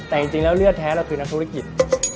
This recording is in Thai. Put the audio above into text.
แต่จริงแล้วเลือดแท้เราคือนักธุรกิจ